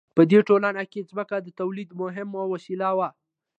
په دې ټولنه کې ځمکه د تولید مهمه وسیله وه.